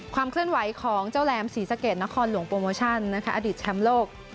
ความเคลื่อนไหวของเจ้าแหลมศรีสะเกดนครหลวงโปรโมชั่นอดีตแชมป์โลก